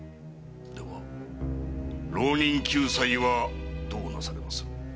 では浪人救済はどうなされます？